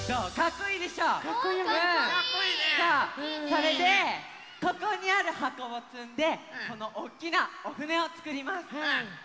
それでここにあるはこをつんでこのおっきなおふねをつくります。